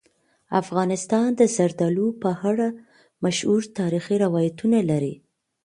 افغانستان د زردالو په اړه مشهور تاریخی روایتونه لري.